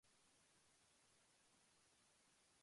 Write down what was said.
Además, es la persona más rica de Brasil.